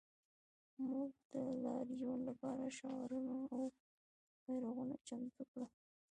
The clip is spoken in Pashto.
موږ د لاریون لپاره شعارونه او بیرغونه چمتو کړل